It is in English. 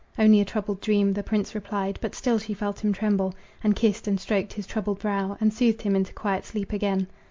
"Only a troubled dream," The prince replied, but still she felt him tremble, And kissed and stroked his troubled brow, And soothed him into quiet sleep again.